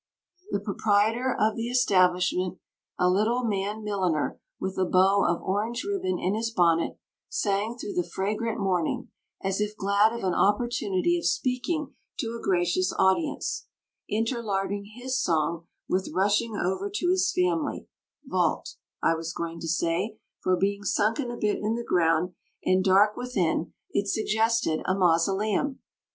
The proprietor of the establishment, a little man milliner with a bow of orange ribbon in his bonnet, sang through the fragrant morning as if glad of an opportunity of speaking to a gracious audience, interlarding his song with rushing over to his family vault, I was going to say, for being sunken a bit in the ground and dark within, it suggested a mausoleum.